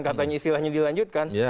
katanya istilahnya dilanjutkan